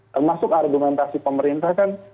termasuk argumentasi pemerintah kan